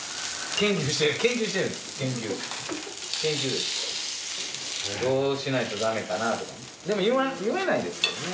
研究研究ですどうしないとダメかなとかでも言えないですけどね